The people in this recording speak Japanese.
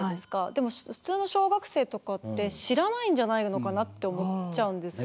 でも普通の小学生とかって知らないんじゃないのかなって思っちゃうんですよね。